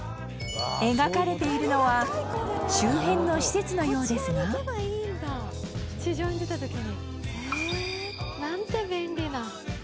描かれているのは周辺の施設のようですが本仮屋：なんて便利な。